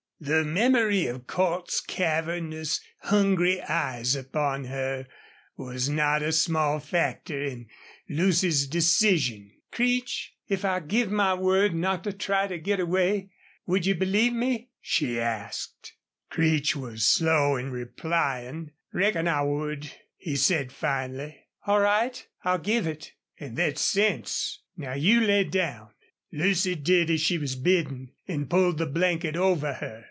The memory of Cordts's cavernous, hungry eyes upon her was not a small factor in Lucy's decision. "Creech, if I give my word not to try to get away, would you believe me?" she asked. Creech was slow in replying. "Reckon I would," he said, finally. "All right, I'll give it." "An' thet's sense. Now you lay down." Lucy did as she was bidden and pulled the blanket over her.